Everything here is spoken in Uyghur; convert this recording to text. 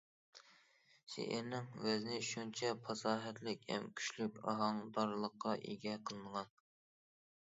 شېئىرنىڭ ۋەزنى شۇنچە پاساھەتلىك ھەم كۈچلۈك ئاھاڭدارلىققا ئىگە قىلىنغان.